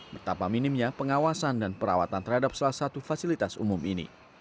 betapa minimnya pengawasan dan perawatan terhadap salah satu fasilitas umum ini